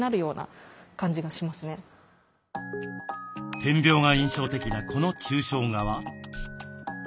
点描が印象的なこの抽象画は？